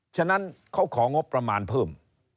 ฉะนั้นเขาของงบประมาณเพิ่ม